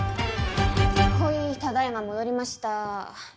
ほいただ今戻りました。